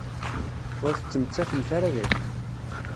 Ur tettemmatemt ara daki.